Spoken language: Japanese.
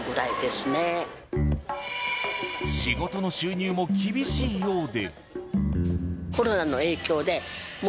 仕事の収入も厳しいようで。